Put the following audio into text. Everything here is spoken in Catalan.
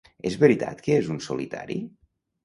És veritat que és un solitari?